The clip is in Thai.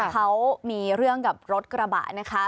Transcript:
เขามีเรื่องกับรถกระบะนะคะ